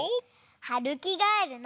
はるきがえるの。